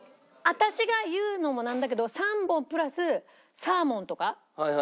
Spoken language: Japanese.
私が言うのもなんだけど３本プラスサーモンとかちょっとしょっぱい系。